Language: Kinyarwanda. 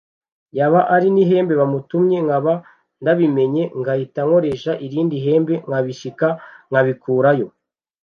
yaba ari n’ihembe bamutumye nkaba ndabimenye ngahita nkoresha irindi hembe nkabishika nkabikurayo